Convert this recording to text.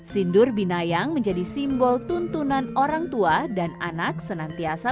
sindur binayang menjadi simbol tuntunan orang tua dan anak senantiasa